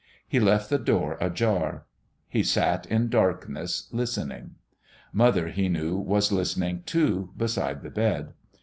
He left the door ajar. He sat in darkness, listening. Mother, he knew, was listening, too, beside the bed.